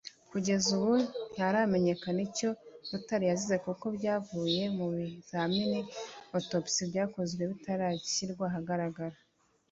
Kugeza ubu ntiharamenyekana icyo Rutare yazize kuko ibyavuye mu bizamini (autopsy) byakozwe bitarashyirwa ahagaragara